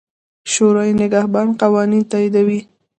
شورای نګهبان قوانین تاییدوي.